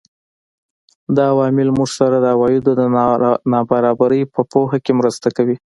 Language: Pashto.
دا عوامل موږ سره د عوایدو د نابرابرۍ په پوهه کې مرسته کوي